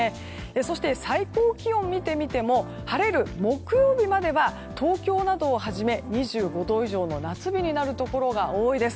そして最高気温を見てみても晴れる木曜日までは東京などをはじめ２５度以上の夏日になるところが多いです。